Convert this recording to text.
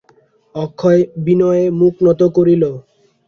অক্ষয় বিনয়ে মুখ নত করিল।